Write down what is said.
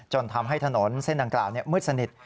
ทำให้ถนนเส้นดังกล่าวมืดสนิท